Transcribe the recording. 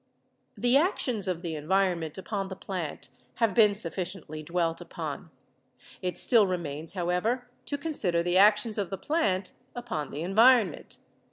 The actions of the environment upon the plant have been sufficiently dwelt upon. It still remains, how ever, to consider the actions of the plant upon the environ ment.